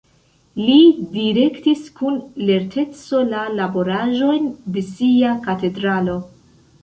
Li direktis kun lerteco la laboraĵojn de sia katedralo.